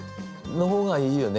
の方がいいよね。